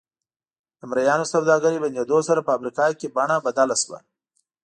د مریانو سوداګرۍ بندېدو سره په افریقا کې بڼه بدله شوه.